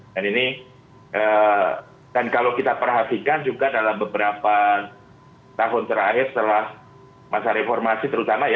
dan ini dan kalau kita perhatikan juga dalam beberapa tahun terakhir setelah masa reformasi terutama ya